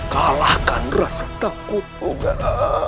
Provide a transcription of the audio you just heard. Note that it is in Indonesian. kalahkan rasa takutmu ger